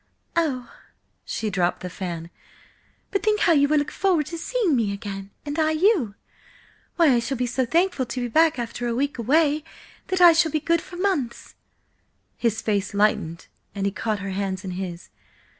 "Oh!" She dropped the fan. "But think how you will look forward to seeing me again, and I you. Why, I shall be so thankful to be back after a week away, that I shall be good for months!" His face lightened, and he caught her hands in his.